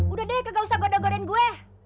udah deh gak usah gada gadain gue